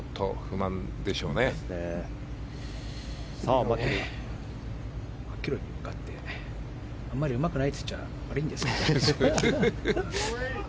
マキロイに向かってあんまりうまくないって言っちゃ悪いんですけどね。